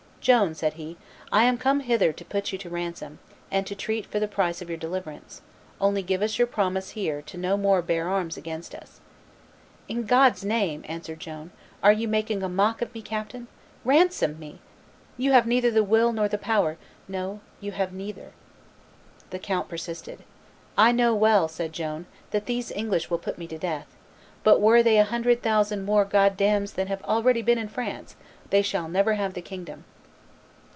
"Joan," said he, "I am come hither to put you to ransom, and to treat for the price of your deliverance; only give us your promise here to no more bear arms against us." "In God's name," answered Joan, "are you making a mock of me, captain? Ransom me! You have neither the will nor the power; no, you have neither." The count persisted. "I know well," said Joan, "that these English will put me to death; but were they a hundred thousand more Goddams than have already been in France, they shall never have the kingdom."